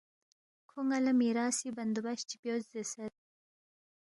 کھو ن٘ا لہ میراثی بندوبست چی بیوس زیرسید